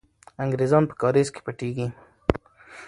انګریزان په کارېز کې پټېږي.